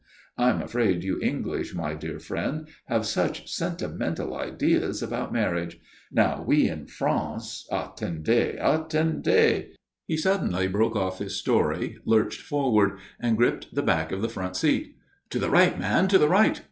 I'm afraid you English, my dear friend, have such sentimental ideas about marriage. Now, we in France Attendez, attendez!" He suddenly broke off his story, lurched forward, and gripped the back of the front seat. "To the right, man, to the right!"